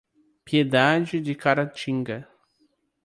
Piedade de Caratinga